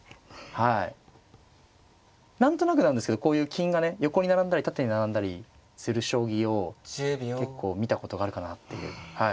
何となくなんですけどこういう金がね横に並んだり縦に並んだりする将棋を結構見たことがあるかなっていう。